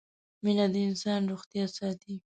مينه د انسان روغتيا ساتي